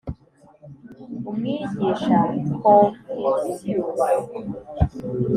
umwigisha confucius